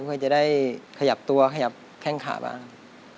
เพื่อจะได้ขยับตัวขยับแข้งขาบ้าง